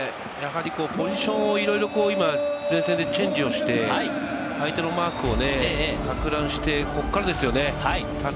ポジションいろいろ前線でチェンジをして相手のマークをかく乱して、こっからですよね。